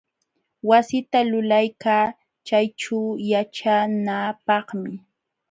Wasita lulaykaa chayćhuu yaćhanaapaqmi.